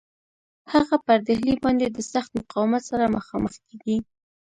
هغه پر ډهلي باندي د سخت مقاومت سره مخامخ کیږي.